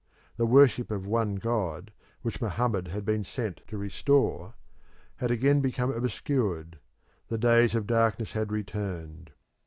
The worship of one God, which Mohammed had been sent to restore, had again become obscured; the days of darkness had returned.